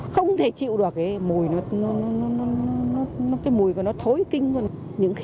không thể chịu được cái mùi cái mùi của nó thối kinh luôn